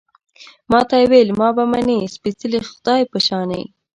ما ته يې ویل، ما به منې، سپېڅلي خدای په شانې